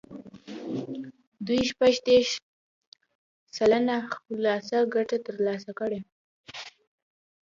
دوی شپږ دېرش سلنه خالصه ګټه ترلاسه کړي.